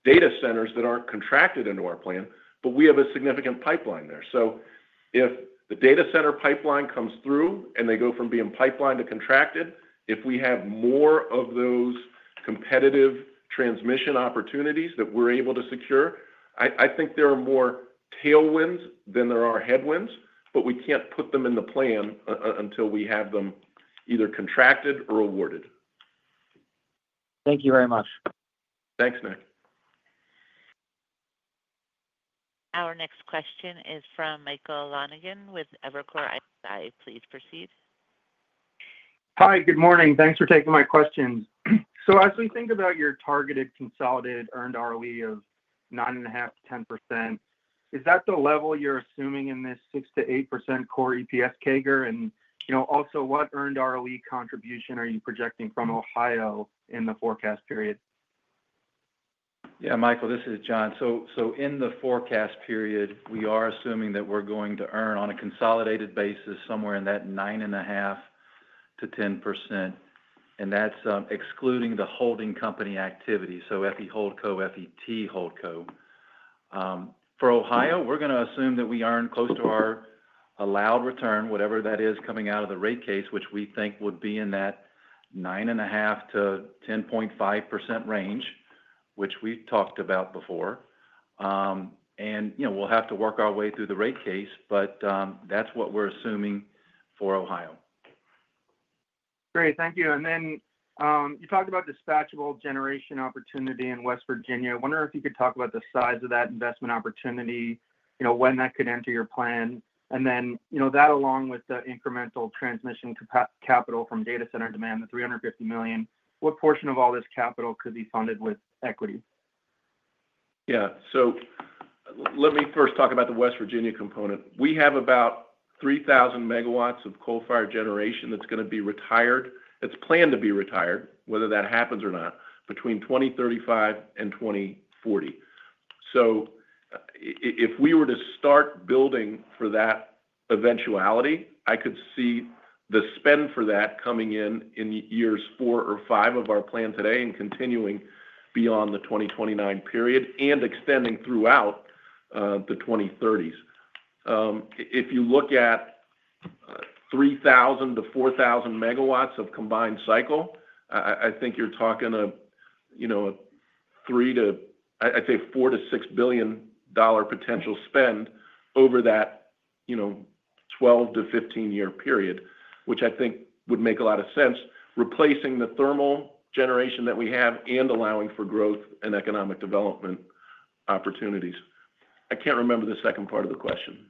[SPEAKER 3] data centers that aren't contracted into our plan, but we have a significant pipeline there. So if the data center pipeline comes through and they go from being pipeline to contracted, if we have more of those competitive transmission opportunities that we're able to secure, I think there are more tailwinds than there are headwinds, but we can't put them in the plan until we have them either contracted or awarded.
[SPEAKER 7] Thank you very much.
[SPEAKER 3] Thanks, Nick.
[SPEAKER 1] Our next question is from Michael Lonegan with Evercore ISI. Please proceed.
[SPEAKER 8] Hi, good morning. Thanks for taking my questions. So as we think about your targeted consolidated earned ROE of 9.5%-10%, is that the level you're assuming in this 6%-8% core EPS CAGR? And also, what earned ROE contribution are you projecting from Ohio in the forecast period?
[SPEAKER 4] Yeah, Michael, this is Jon. So in the forecast period, we are assuming that we're going to earn on a consolidated basis somewhere in that 9.5%-10%, and that's excluding the holding company activity, so FE Holdco, FET Holdco. For Ohio, we're going to assume that we earn close to our allowed return, whatever that is coming out of the rate case, which we think would be in that 9.5%-10.5% range, which we've talked about before. And we'll have to work our way through the rate case, but that's what we're assuming for Ohio.
[SPEAKER 8] Great. Thank you. And then you talked about dispatchable generation opportunity in West Virginia. I wonder if you could talk about the size of that investment opportunity, when that could enter your plan, and then that along with the incremental transmission capital from data center demand, the $350 million. What portion of all this capital could be funded with equity?
[SPEAKER 4] Yeah. So let me first talk about the West Virginia component. We have about 3,000 megawatts of coal-fired generation that's going to be retired. It's planned to be retired, whether that happens or not, between 2035 and 2040. So if we were to start building for that eventuality, I could see the spend for that coming in in years four or five of our plan today and continuing beyond the 2029 period and extending throughout the 2030s. If you look at 3,000 to 4,000 megawatts of combined cycle, I think you're talking a $3 billion to, I'd say, $4 billion to $6 billion potential spend over that 12- to 15-year period, which I think would make a lot of sense, replacing the thermal generation that we have and allowing for growth and economic development opportunities. I can't remember the second part of the question.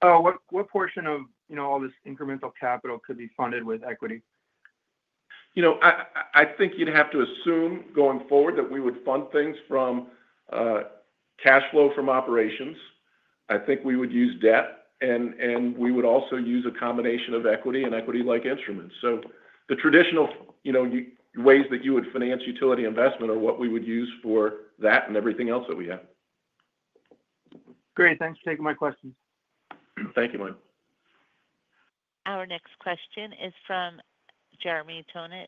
[SPEAKER 8] What portion of all this incremental capital could be funded with equity?
[SPEAKER 4] I think you'd have to assume going forward that we would fund things from cash flow from operations. I think we would use debt, and we would also use a combination of equity and equity-like instruments. So the traditional ways that you would finance utility investment are what we would use for that and everything else that we have.
[SPEAKER 8] Great. Thanks for taking my questions.
[SPEAKER 4] Thank you, Mike.
[SPEAKER 1] Our next question is from Jeremy Tonet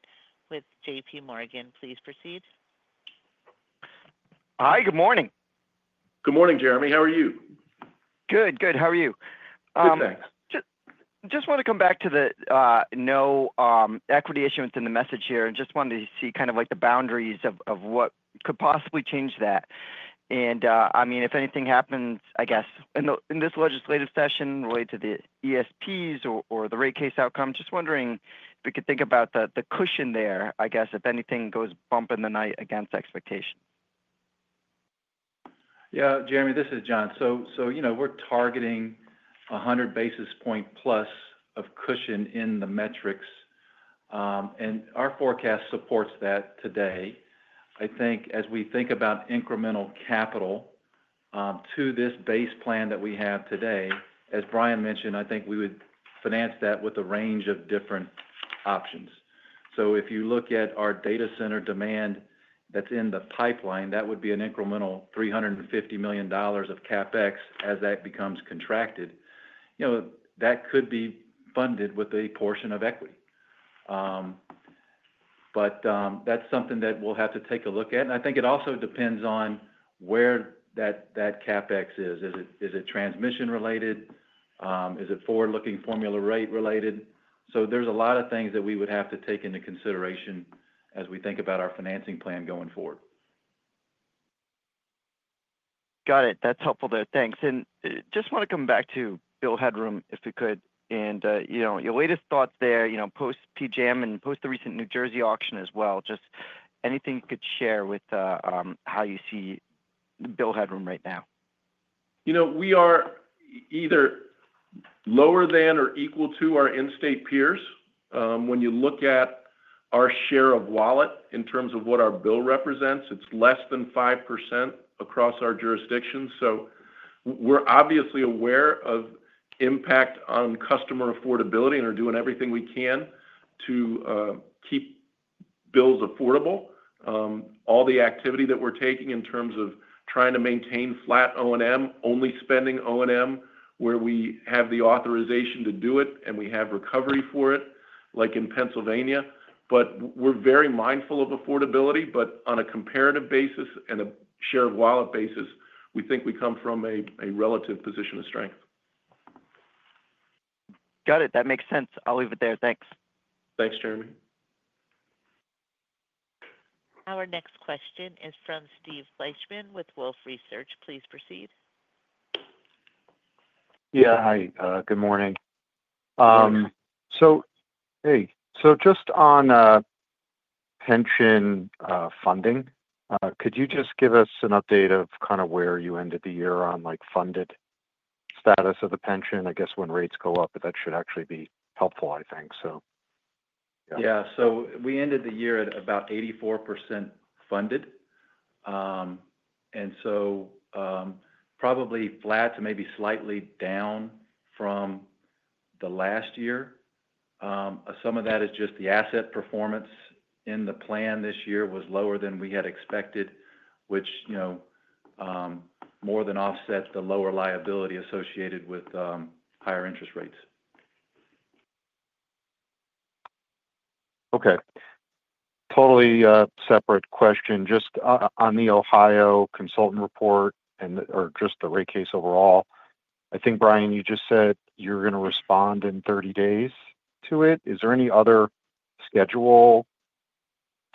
[SPEAKER 1] with JP Morgan. Please proceed.
[SPEAKER 9] Hi, good morning.
[SPEAKER 3] Good morning, Jeremy. How are you?
[SPEAKER 9] Good, good. How are you?
[SPEAKER 3] Good, thanks.
[SPEAKER 9] Just want to come back to the no equity issue within the message here and just wanted to see kind of the boundaries of what could possibly change that. And I mean, if anything happens, I guess, in this legislative session related to the ESPs or the rate case outcome, just wondering if we could think about the cushion there, I guess, if anything goes bump in the night against expectations.
[SPEAKER 4] Yeah, Jeremy, this is Jon. So we're targeting 100 basis points plus of cushion in the metrics, and our forecast supports that today. I think as we think about incremental capital to this base plan that we have today, as Brian mentioned, I think we would finance that with a range of different options. So if you look at our data center demand that's in the pipeline, that would be an incremental $350 million of CapEx as that becomes contracted. That could be funded with a portion of equity. But that's something that we'll have to take a look at. And I think it also depends on where that CapEx is. Is it transmission-related? Is it forward-looking formula rate-related? So there's a lot of things that we would have to take into consideration as we think about our financing plan going forward.
[SPEAKER 9] Got it. That's helpful there. Thanks. And just want to come back to bill headroom if we could, and your latest thoughts there post-PJM and post the recent New Jersey auction as well. Just anything you could share with how you see bill headroom right now.
[SPEAKER 3] We are either lower than or equal to our in-state peers. When you look at our share of wallet in terms of what our bill represents, it's less than 5% across our jurisdiction. So we're obviously aware of impact on customer affordability and are doing everything we can to keep bills affordable. All the activity that we're taking in terms of trying to maintain flat O&M, only spending O&M where we have the authorization to do it, and we have recovery for it, like in Pennsylvania. But we're very mindful of affordability, but on a comparative basis and a share of wallet basis, we think we come from a relative position of strength.
[SPEAKER 9] Got it. That makes sense. I'll leave it there. Thanks.
[SPEAKER 3] Thanks, Jeremy.
[SPEAKER 1] Our next question is from Steve Fleischman with Wolfe Research. Please proceed.
[SPEAKER 10] Yeah. Hi. Good morning.
[SPEAKER 3] Hey.
[SPEAKER 10] So just on pension funding, could you just give us an update of kind of where you ended the year on funded status of the pension? I guess when rates go up, that should actually be helpful, I think, so. Yeah.
[SPEAKER 4] So we ended the year at about 84% funded. And so probably flat to maybe slightly down from the last year. Some of that is just the asset performance in the plan this year was lower than we had expected, which more than offset the lower liability associated with higher interest rates.
[SPEAKER 10] Okay. Totally separate question. Just on the Ohio consultant report or just the rate case overall, I think, Brian, you just said you're going to respond in 30 days to it. Is there any other schedule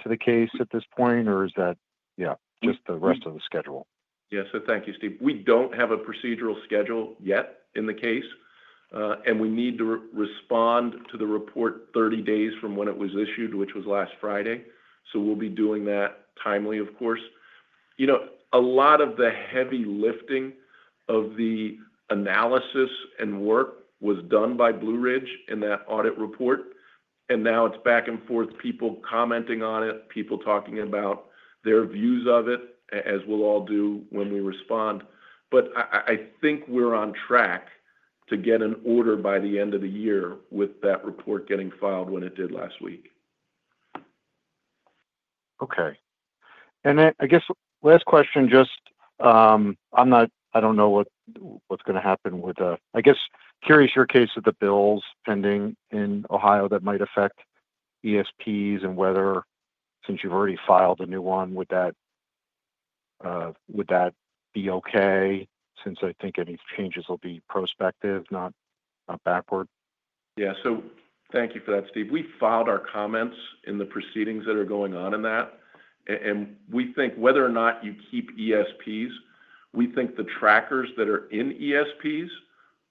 [SPEAKER 10] to the case at this point, or is that, yeah, just the rest of the schedule?
[SPEAKER 3] Yeah. So thank you, Steve. We don't have a procedural schedule yet in the case, and we need to respond to the report 30 days from when it was issued, which was last Friday. So we'll be doing that timely, of course. A lot of the heavy lifting of the analysis and work was done by Blue Ridge in that audit report, and now it's back and forth, people commenting on it, people talking about their views of it, as we'll all do when we respond. But I think we're on track to get an order by the end of the year with that report getting filed when it did last week.
[SPEAKER 10] Okay. And I guess last question, just I don't know what's going to happen with, I guess, curious, your take on the bills pending in Ohio that might affect ESPs and whether, since you've already filed a new one, would that be okay since I think any changes will be prospective, not backward?
[SPEAKER 3] Yeah. So thank you for that, Steve. We filed our comments in the proceedings that are going on in that. And we think whether or not you keep ESPs, we think the trackers that are in ESPs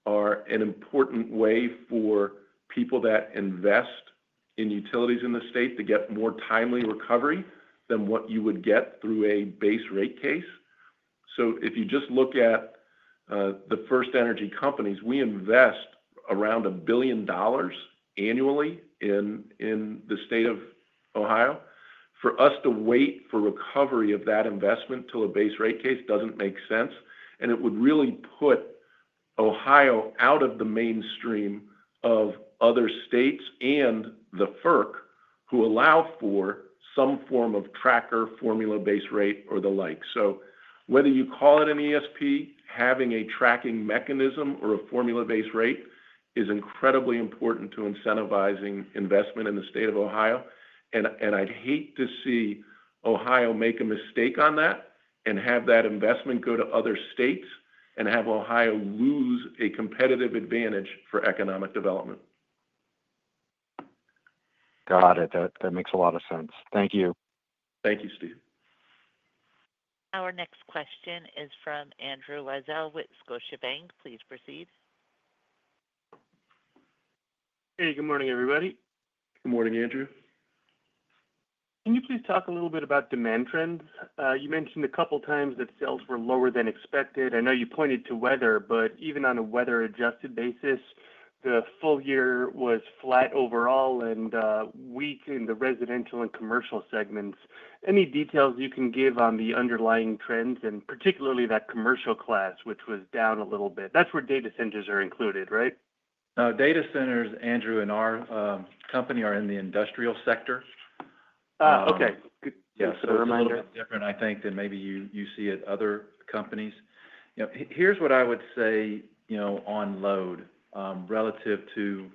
[SPEAKER 3] are an important way for people that invest in utilities in the state to get more timely recovery than what you would get through a base rate case. So if you just look at the FirstEnergy companies, we invest around $1 billion annually in the state of Ohio. For us to wait for recovery of that investment to a base rate case doesn't make sense, and it would really put Ohio out of the mainstream of other states and the FERC who allow for some form of tracker formula-based rate or the like. So whether you call it an ESP, having a tracking mechanism or a formula-based rate is incredibly important to incentivizing investment in the state of Ohio. And I'd hate to see Ohio make a mistake on that and have that investment go to other states and have Ohio lose a competitive advantage for economic development.
[SPEAKER 10] Got it. That makes a lot of sense. Thank you.
[SPEAKER 3] Thank you, Steve.
[SPEAKER 1] Our next question is from Andrew Weisel with Scotiabank. Please proceed.
[SPEAKER 11] Hey, good morning, everybody.
[SPEAKER 4] Good morning, Andrew.
[SPEAKER 11] Can you please talk a little bit about demand trends? You mentioned a couple of times that sales were lower than expected. I know you pointed to weather, but even on a weather-adjusted basis, the full year was flat overall and weak in the residential and commercial segments. Any details you can give on the underlying trends and particularly that commercial class, which was down a little bit? That's where data centers are included, right?
[SPEAKER 4] Data centers, Andrew, and our company are in the industrial sector.
[SPEAKER 11] Okay.
[SPEAKER 4] Yeah. So it's a little bit different, I think, than maybe you see at other companies. Here's what I would say on load relative to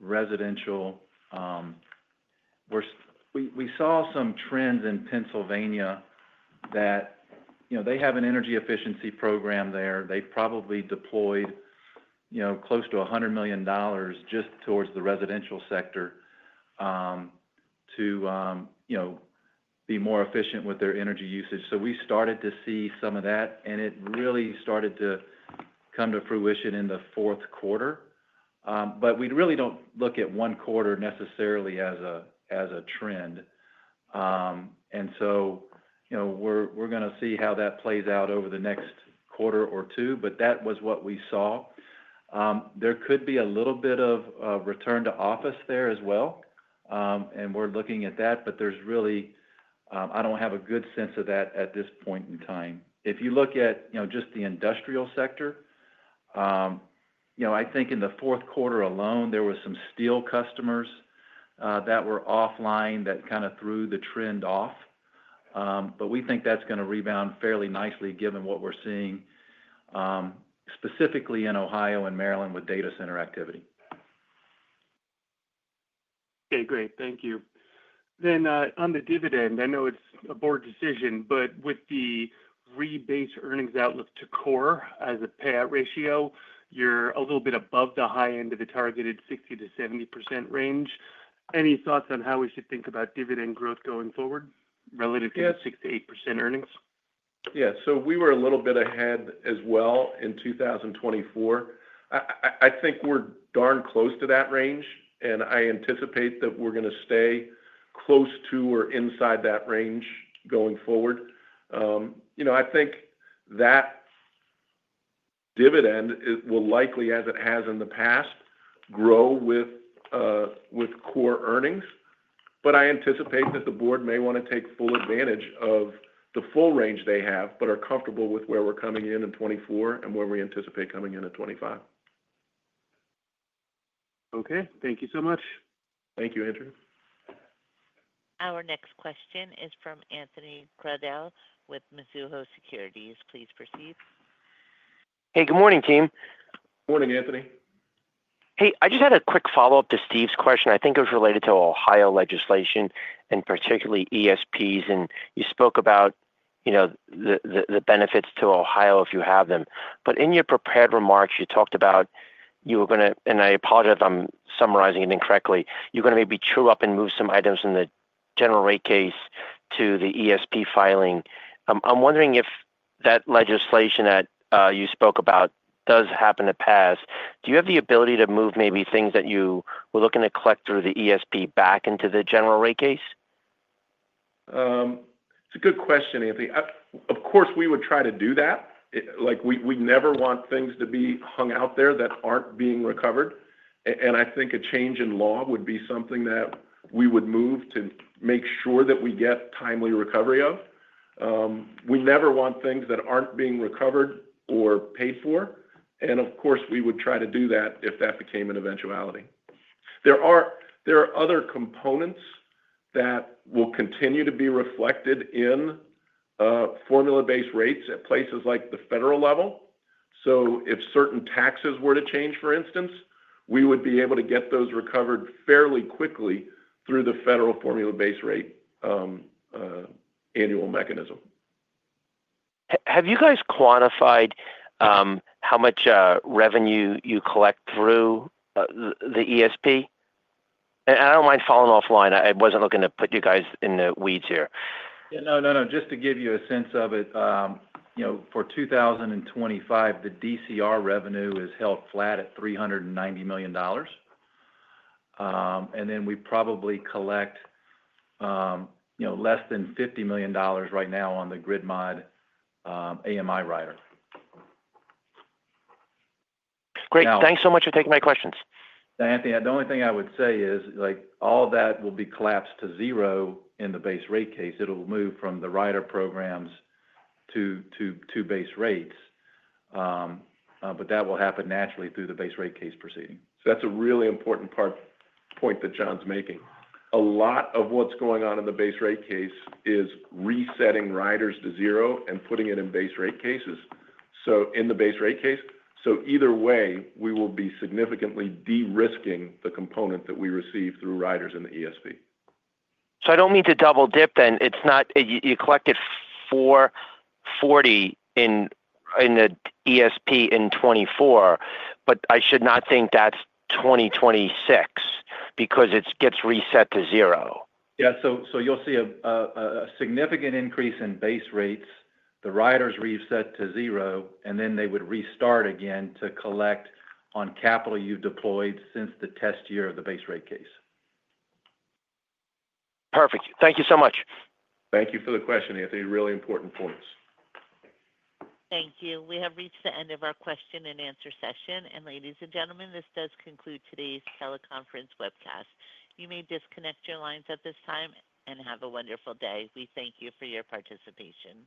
[SPEAKER 4] residential. We saw some trends in Pennsylvania that they have an energy efficiency program there. They probably deployed close to $100 million just towards the residential sector to be more efficient with their energy usage. So we started to see some of that, and it really started to come to fruition in the fourth quarter. But we really don't look at one quarter necessarily as a trend. And so we're going to see how that plays out over the next quarter or two, but that was what we saw. There could be a little bit of return to office there as well, and we're looking at that, but there's really I don't have a good sense of that at this point in time. If you look at just the industrial sector, I think in the fourth quarter alone, there were some steel customers that were offline that kind of threw the trend off. But we think that's going to rebound fairly nicely given what we're seeing specifically in Ohio and Maryland with data center activity.
[SPEAKER 11] Okay. Great. Thank you. Then on the dividend, I know it's a board decision, but with the rebase earnings outlook to core as a payout ratio, you're a little bit above the high end of the targeted 60%-70% range. Any thoughts on how we should think about dividend growth going forward relative to the 6%-8% earnings?
[SPEAKER 3] Yeah. So we were a little bit ahead as well in 2024. I think we're darn close to that range, and I anticipate that we're going to stay close to or inside that range going forward. I think that dividend will likely, as it has in the past, grow with core earnings. But I anticipate that the board may want to take full advantage of the full range they have, but are comfortable with where we're coming in in 2024 and where we anticipate coming in in 2025.
[SPEAKER 11] Okay. Thank you so much.
[SPEAKER 3] Thank you, Andrew.
[SPEAKER 1] Our next question is from Anthony Crowdell with Mizuho Securities. Please proceed.
[SPEAKER 12] Hey, good morning, team.
[SPEAKER 3] Morning, Anthony.
[SPEAKER 12] Hey, I just had a quick follow-up to Steve's question. I think it was related to Ohio legislation and particularly ESPs. And you spoke about the benefits to Ohio if you have them. But in your prepared remarks, you talked about you were going to—and I apologize if I'm summarizing it incorrectly—you're going to maybe true up and move some items in the general rate case to the ESP filing. I'm wondering if that legislation that you spoke about does happen to pass, do you have the ability to move maybe things that you were looking to collect through the ESP back into the general rate case?
[SPEAKER 4] It's a good question, Anthony. Of course, we would try to do that. We never want things to be hung out there that aren't being recovered. And I think a change in law would be something that we would move to make sure that we get timely recovery of. We never want things that aren't being recovered or paid for. And of course, we would try to do that if that became an eventuality. There are other components that will continue to be reflected in formula-based rates at places like the federal level. So if certain taxes were to change, for instance, we would be able to get those recovered fairly quickly through the federal formula-based rate annual mechanism.
[SPEAKER 12] Have you guys quantified how much revenue you collect through the ESP? And I don't mind falling offline. I wasn't looking to put you guys in the weeds here.
[SPEAKER 4] Yeah. No, no, no. Just to give you a sense of it, for 2025, the DCR revenue is held flat at $390 million. And then we probably collect less than $50 million right now on the GridMod AMI rider.
[SPEAKER 12] Great. Thanks so much for taking my questions.
[SPEAKER 3] Anthony, the only thing I would say is all that will be collapsed to zero in the base rate case. It'll move from the rider programs to base rates, but that will happen naturally through the base rate case proceeding. So that's a really important point that Jon's making. A lot of what's going on in the Base Rate Case is resetting riders to zero and putting it in base rate cases in the Base Rate Case. So either way, we will be significantly de-risking the component that we receive through riders in the ESP.
[SPEAKER 12] So I don't mean to double-dip then. You collected 440 in the ESP in 2024, but I should not think that's 2026 because it gets reset to zero?
[SPEAKER 4] Yeah. So you'll see a significant increase in base rates, the riders reset to zero, and then they would restart again to collect on capital you've deployed since the test year of the Base Rate Case.
[SPEAKER 12] Perfect. Thank you so much.
[SPEAKER 4] Thank you for the question, Anthony. Really important points.
[SPEAKER 1] Thank you. We have reached the end of our question and answer session, and ladies and gentlemen, this does conclude today's teleconference webcast. You may disconnect your lines at this time and have a wonderful day. We thank you for your participation.